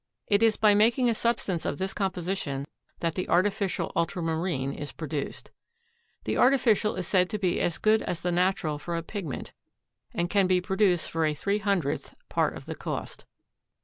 It is by making a substance of this composition that the artificial ultramarine is produced. The artificial is said to be as good as the natural for a pigment and can be produced for a three hundredth part of the cost.